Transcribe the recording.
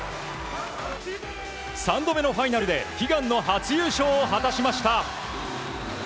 ３度目のファイナルで悲願の初優勝を果たしました。